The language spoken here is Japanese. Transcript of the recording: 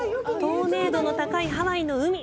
透明度の高いハワイの海。